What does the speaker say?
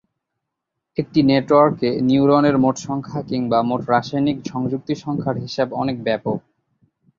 একটি নেটওয়ার্কে নিউরনের মোট সংখ্যা কিংবা, মোট রাসায়নিক সংযুক্তি সংখ্যার হিসাব অনেক ব্যপক।